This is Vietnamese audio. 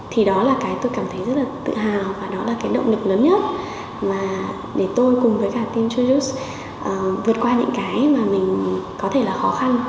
thì đó là cái tôi cảm thấy rất là tự hào và đó là cái động lực lớn nhất để tôi cùng với cả team jujutsu vượt qua những cái mà mình có thể là khó khăn